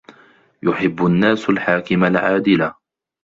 يُحِبُّ النَّاسُ الْحاكِمَ الْعَادِلَ.